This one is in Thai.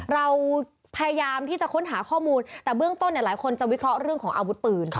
เราพยายามที่จะค้นหาข้อมูลแต่เบื้องต้นหลายคนจะวิเคราะห์เรื่องของอาวุธปืน